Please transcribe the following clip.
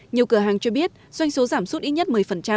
nhiều cửa hàng cho biết doanh số giảm sút ít nhất một mươi